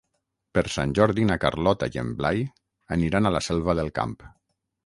Per Sant Jordi na Carlota i en Blai aniran a la Selva del Camp.